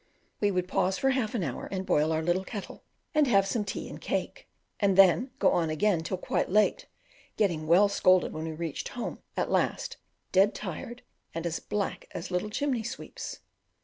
We would pause for half an hour and boil our little kettle, and have some tea and cake, and then go on again till quite late, getting well scolded when we reached home at last dead tired and as black as little chimney sweeps.